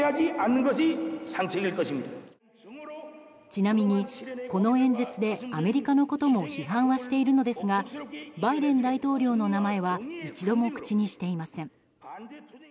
ちなみに、この演説でアメリカのことも批判はしているのですがバイデン大統領の名前は一度も口にしていません。